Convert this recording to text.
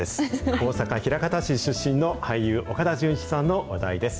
大阪・枚方市出身の俳優、岡田准一さんの話題です。